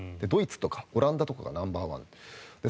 ドイツとかオランダとかがナンバーワン。